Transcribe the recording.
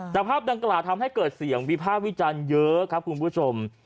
แต่ภาพดังกล่าวทำให้เกิดเสียงวิพากษ์วิจารณ์เยอะครับคุณผู้ชม